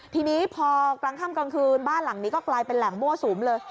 ทีนี้พอกลางค่ำกลางคืนบ้านหลังนี้ก็กลายเป็นแหล่งมั่วสุมเลย